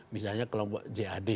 misalnya dari kelompok jad